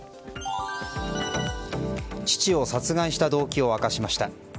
父を殺害した動機を明かしました。